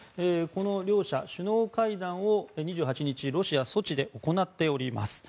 両者、首脳会談を２８日、ロシア・ソチで行っております。